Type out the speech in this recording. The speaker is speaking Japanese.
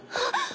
あっ！